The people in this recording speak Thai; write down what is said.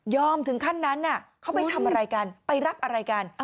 ถึงขั้นนั้นเขาไปทำอะไรกันไปรักอะไรกัน